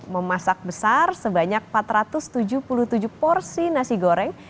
memasak besar sebanyak empat ratus tujuh puluh tujuh porsi nasi goreng